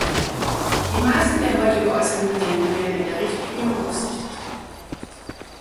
Die meisten der heute geäußerten Bedenken werden in der Richtlinie berücksichtigt.